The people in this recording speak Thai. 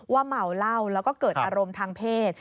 ว่าเมาเหล้าแล้วก็เกิดอารมณ์ทางเพศ